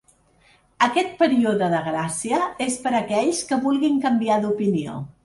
Aquest període de gràcia és per aquells que vulguin canviar d’opinió.